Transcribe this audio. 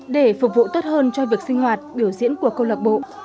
để phục vụ tốt hơn cho việc sinh hoạt biểu diễn của câu lạc bộ